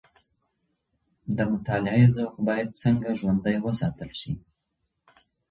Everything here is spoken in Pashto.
د مطالعې ذوق باید څنګه ژوندی وساتل سي؟